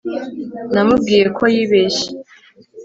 namubwiye ko yibeshye